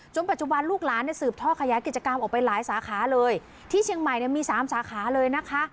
ปัจจุบันลูกหลานเนี่ยสืบท่อขยายกิจกรรมออกไปหลายสาขาเลยที่เชียงใหม่เนี่ยมีสามสาขาเลยนะคะ